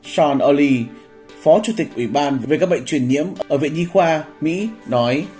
sean olley phó chủ tịch ủy ban về các bệnh truyền nhiễm ở viện nhi khoa mỹ nói